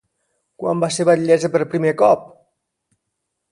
Quan va ser batllessa per primer cop?